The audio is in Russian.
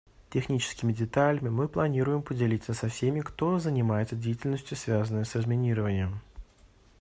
Техническими деталями мы планируем поделиться со всеми, кто занимается деятельностью, связанной с разминированием.